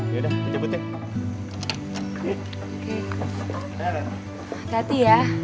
yaudah kita jemput ya